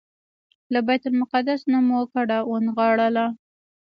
له بیت المقدس نه مو کډه ونغاړله.